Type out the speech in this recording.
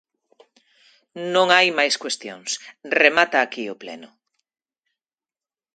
Non hai máis cuestións, remata aquí o pleno.